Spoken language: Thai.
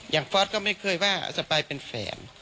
ฟอร์สก็ไม่เคยว่าสปายเป็นแฟน